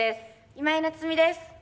今井菜津美です。